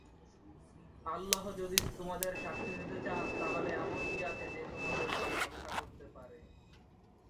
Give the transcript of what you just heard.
আল্লাহ যদি তোমাদের শাস্তি দিতে চান তাহলে এমন কে আছে, যে তোমাদেরকে রক্ষা করতে পারে?